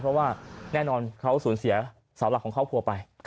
เพราะว่าแน่นอนเขาสูญเสียเสาหลักของครอบครัวไป